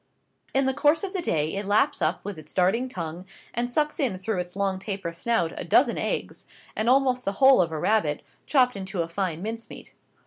In the course of the day it laps up with its darting tongue, and sucks in through its long taper snout a dozen eggs, and almost the whole of a rabbit, chopped into a fine mince meat.